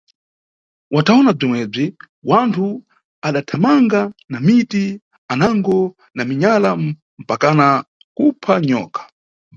Watawona bzimwebzi wanthu adathamanga na miti, anango na minyala mpakana kupha nyoka.